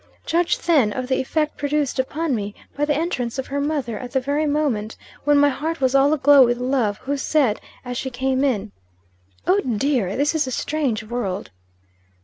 "Judge then, of the effect produced upon me by the entrance of her mother at the very moment when my heart was all a glow with love, who said, as she came in "'Oh, dear! This is a strange world!'